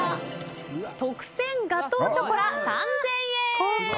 特撰ガトーショコラ、３０００円。